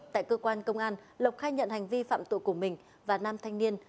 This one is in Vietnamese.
tại cơ quan công an lộc khai nhận hành vi phạm tội của mình và nam thanh niên